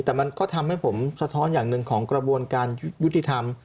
แต่มันก็ทำให้ผมสะท้อนอย่างหนึ่งของกระบวนการยุติธรรม